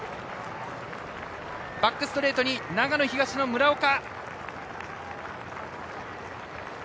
バックストレートに長野東の村岡。